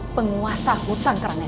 penguasa hutan kera nera